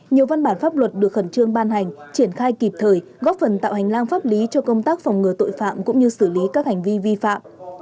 nhiều văn bản pháp luật được khẩn trương ban hành triển khai kịp thời góp phần tạo hành lang pháp lý cho công tác phòng ngừa tội phạm cũng như xử lý các hành vi vi phạm